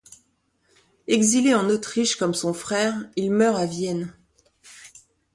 Exilé en Autriche comme son frère, il meurt à Vienne.